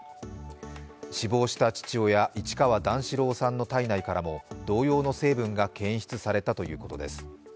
死亡した父親・市川段四郎さんの体内からも同様の成分が検出されたということです。